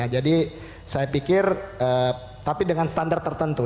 jadi saya pikir tapi dengan standar tertentu